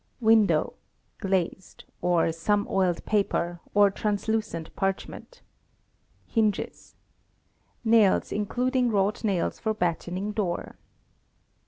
Window (glazed), or some oiled paper, or translucent parch ment. Hinges. Nails, including wrought nails for battening door.